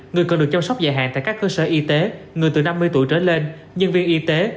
người cần được chăm sóc dài hạn tại các cơ sở y tế người từ năm mươi tuổi trở lên nhân viên y tế